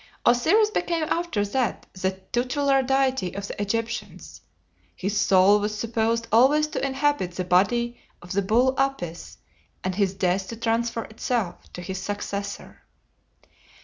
Osiris became after that the tutelar deity of the Egyptians. His soul was supposed always to inhabit the body of the bull Apis, and at his death to transfer itself to his successor.